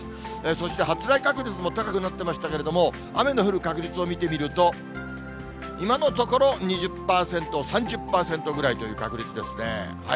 そして発雷確率も高くなっていましたけれども、雨の降る確率を見てみると、今のところ、２０％、３０％ぐらいという確率ですね。